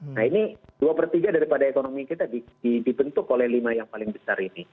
nah ini dua per tiga daripada ekonomi kita dibentuk oleh lima yang paling besar ini